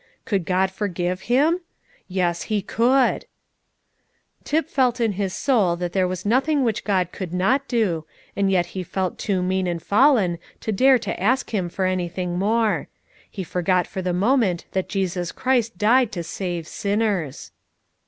Could God forgive him? Yes, He could. Tip felt in his soul that there was nothing which God could not do, and yet he felt too mean and fallen to dare to ask Him for anything more; he forgot for the moment that Jesus Christ died to save sinners.